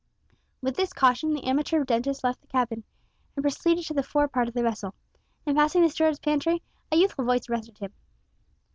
With this caution the amateur dentist left the cabin, and proceeded to the fore part of the vessel. In passing the steward's pantry a youthful voice arrested him.